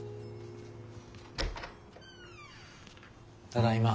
ただいま。